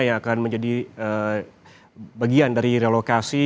yang akan menjadi bagian dari relokasi